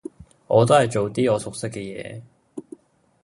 我都係做啲我熟悉嘅嘢